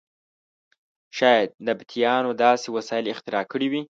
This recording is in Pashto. شاید نبطیانو داسې وسایل اختراع کړي وي.